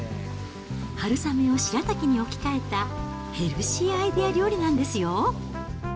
春雨を白滝に置き換えた、ヘルシーアイデア料理なんですよ。